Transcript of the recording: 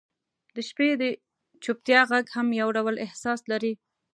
• د شپې د چوپتیا ږغ هم یو ډول احساس لري.